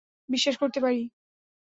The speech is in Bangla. বিশ্বাস করতে পারি।